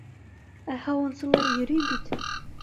Ә һауынсылар йөрөй бит!